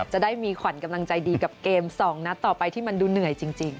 จะได้มีขวัญกำลังใจดีกับเกม๒นัดต่อไปที่มันดูเหนื่อยจริง